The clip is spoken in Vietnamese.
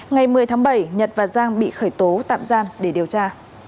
ngày một mươi tháng bảy nhật và giang bị khởi tố tạm giam để điều tra